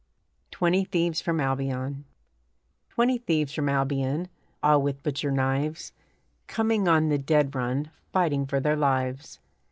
TWENTY THIEVES FROM ALBION Twenty thieves from Albion, All with butcher knives, Coming on the dead run, Fighting for their lives.